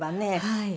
はい。